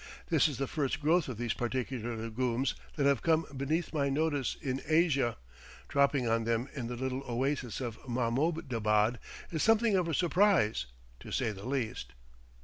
This is the first growth of these particular legumes that have come beneath my notice in Asia; dropping on them in the little oasis of Mahmoudabad is something of a surprise, to say the least.